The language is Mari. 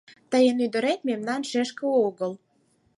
Тыйын ӱдырет мемнан шешке огыл.